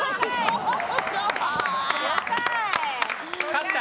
勝った！